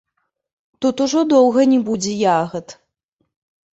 Тут ўжо доўга не будзе ягад!